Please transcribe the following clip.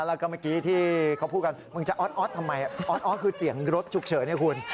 แล้วก็เมื่อกี้ที่เขาพูดกันมึงจะออสทำไมออสคือเสียงรถฉุกเฉินให้คุณ